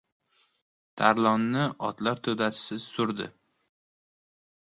Tarlonni otlar to‘dasi surdi.